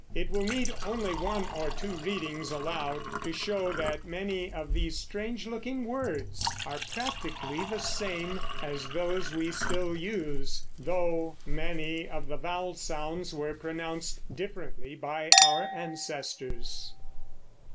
It will need only one or two readings aloud to show that many of these strange looking words are practically the same as those we still use, though many of the vowel sounds were pronounced differently by our ancestors.